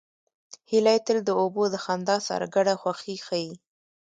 هیلۍ تل د اوبو د خندا سره ګډه خوښي ښيي